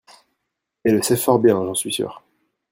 elle le sait fort bien, j'en suis sure.